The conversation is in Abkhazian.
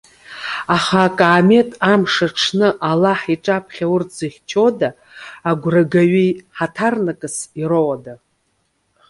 Аха акаамеҭ амш аҽны Аллаҳ иҿаԥхьа урҭ зыхьчода, агәрагаҩы хаҭарнакс ироуада?